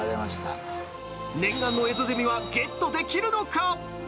念願のエゾゼミはゲットできるのか！？